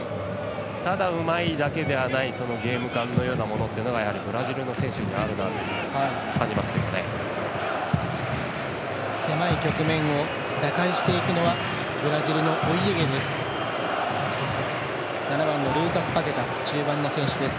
ただうまいだけではないゲーム勘のようなものっていうのがブラジルの選手にはあるなと狭い局面を打開していくのはブラジルのお家芸です。